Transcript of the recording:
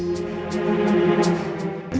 นี่อย่างความรักสำหรับผู้ชายแบบก็อตคือยังไงครับ